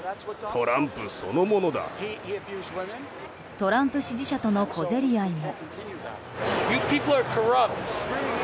トランプ支持者との小競り合いも。